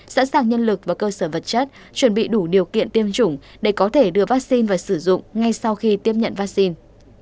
sẵn sàng nhân lực và cơ sở vật chất chuẩn bị đủ điều kiện tiêm chủng để có thể đưa vaccine vào sử dụng ngay sau khi tiếp nhận vaccine